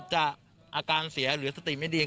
อาการเสียหรือสติไม่ดี